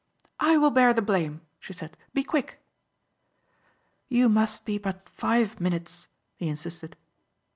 "I will bear the blame," she said. "Be quick." "You must be but five minutes," he insisted.